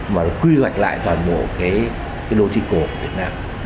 mà quy hoạch lại toàn bộ đô thị cổ việt nam